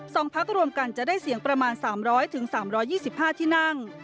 สองพักรวมกันจะได้เสี่ยงประมาณ๓๐๐๓๒๕ที่นั่ง